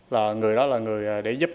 là người đó là người để giúp